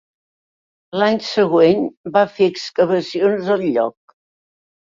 L'any següent, va fer excavacions al lloc.